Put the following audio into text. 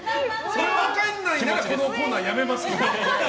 それ分かんないならこのコーナーやめます。